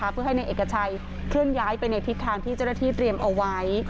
เพื่อให้นายเอกชัยเคลื่อนย้ายไปในทิศทางที่เจ้าหน้าที่เตรียมเอาไว้